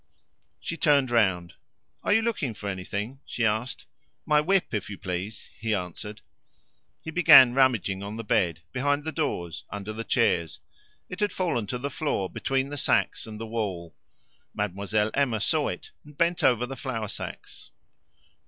She turned round. "Are you looking for anything?" she asked. "My whip, if you please," he answered. He began rummaging on the bed, behind the doors, under the chairs. It had fallen to the floor, between the sacks and the wall. Mademoiselle Emma saw it, and bent over the flour sacks.